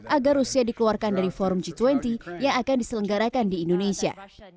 agar rusia dikeluarkan dari forum g dua puluh yang akan diselenggarakan di indonesia